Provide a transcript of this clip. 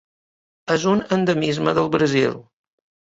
És un endemisme del Brasil.